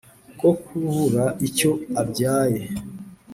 ko kubura icyo abyaye